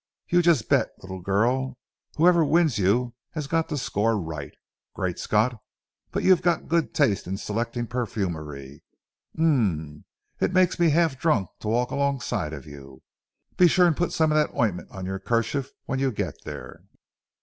You just bet, little girl, whoever wins you has got to score right. Great Scott! but you have good taste in selecting perfumery. Um ee! it makes me half drunk to walk alongside of you. Be sure and put some of that ointment on your kerchief when you get there."